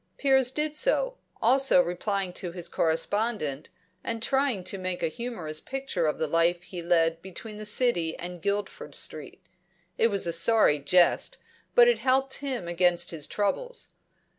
Piers did so; also replying to his correspondent, and trying to make a humorous picture of the life he led between the City and Guilford Street. It was a sorry jest, but it helped him against his troubles.